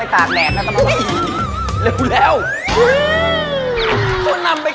ไม่ต้องไปสนใจราคาริ้นเข้าไป